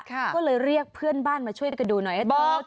ก็เลยเรียกเพื่อนบ้านมาช่วยกันดูหน่อย